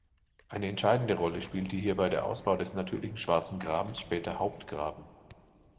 Eine entscheidende Rolle spielte hierbei der Ausbau des natürlichen Schwarzen Grabens, später "Haupt Graben".